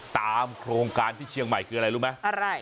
ตามโครงการที่เชียงใหม่คืออะไรรู้ไหมอะไร